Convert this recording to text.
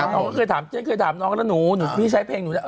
น้องก็คือถามน้องนะปี้ใช้เพลงได้